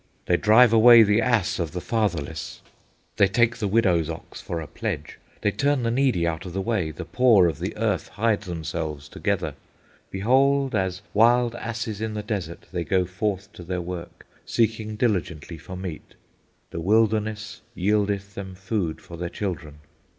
They drive away the ass of the fatherless, they take the widow's ox for a pledge. They turn the needy out of the way; the poor of the earth hide themselves together. Behold, as wild asses in the desert they go forth to their work, seeking diligently for meat; the wilderness yieldeth them food for their children.